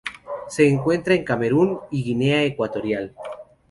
Se encuentran en Camerún y Guinea Ecuatorial.